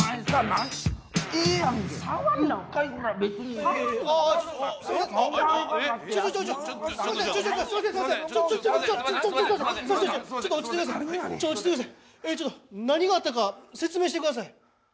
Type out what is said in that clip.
何でやねんちょっと何があったか説明してください